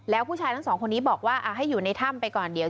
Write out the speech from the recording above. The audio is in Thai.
แล้วผู้ชายทั้งสองคนนี้บอกว่าให้อยู่ในถ้ำไปก่อนเดี๋ยว